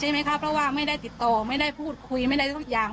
ใช่ไหมคะเพราะว่าไม่ได้ติดต่อไม่ได้พูดคุยไม่ได้ทุกอย่าง